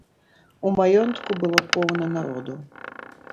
У маёнтку было поўна народу.